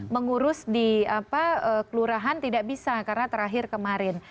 mengurus di kelurahan tidak bisa karena terakhir kemarin